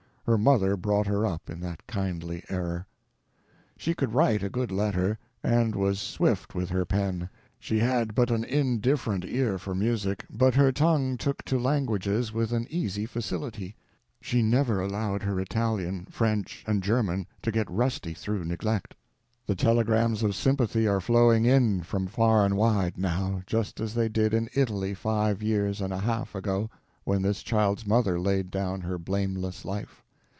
Her mother brought her up in that kindly error. She could write a good letter, and was swift with her pen. She had but an indifferent ear for music, but her tongue took to languages with an easy facility. She never allowed her Italian, French, and German to get rusty through neglect. The telegrams of sympathy are flowing in, from far and wide, now, just as they did in Italy five years and a half ago, when this child's mother laid down her blameless life.